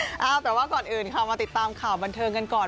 แต่ว่าก่อนอื่นค่ะมาติดตามข่าวบันเทิงกันก่อน